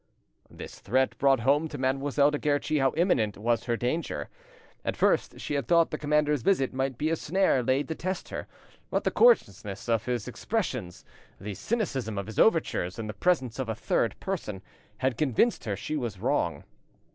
This threat brought home to Mademoiselle de Guerchi how imminent was her danger. At first she had thought the commander's visit might be a snare laid to test her, but the coarseness of his expressions, the cynicism of his overtures in the presence of a third person, had convinced her she was wrong.